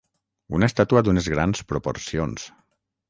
Una estàtua d'unes grans proporcions.